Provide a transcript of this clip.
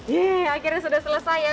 yeay akhirnya sudah selesai ya